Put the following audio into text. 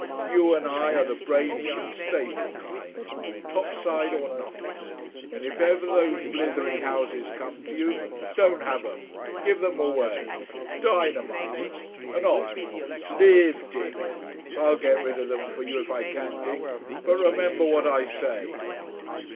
You and I are the brainy unstable kind, topside or nothing. And if ever those blithering houses come to you don't have 'em. Give them away! Dynamite 'em and off! LIVE, Dick! I'll get rid of them for you if I can, Dick, but remember what I say."...